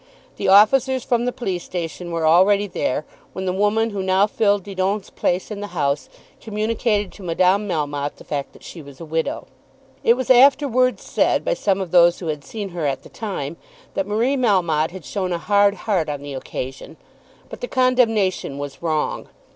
The officers from the police station were already there when the woman who now filled Didon's place in the house communicated to Madame Melmotte the fact that she was a widow. It was afterwards said by some of those who had seen her at the time, that Marie Melmotte had shown a hard heart on the occasion. But the condemnation was wrong.